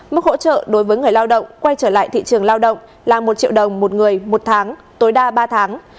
mức hỗ trợ đối với người lao động quay trở lại thị trường lao động là một triệu đồng một người một tháng tối đa ba tháng